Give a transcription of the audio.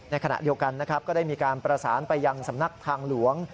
ขณะเดียวกันนะครับก็ได้มีการประสานไปยังสำนักทางหลวง